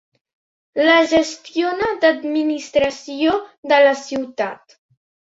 La gestiona l'administració de la ciutat.